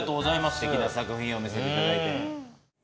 すてきな作品を見せていただいて。